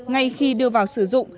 ngay khi đưa vào sử dụng